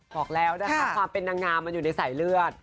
บอกแล้วความเป็นดางงามมาอยู่ในใส่เลือด